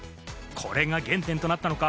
これが原点となったのか？